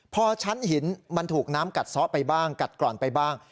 พอชั้นหินมันถูกน้ำกัดซ้อไปบ้างกัดกร่อนไปบ้าง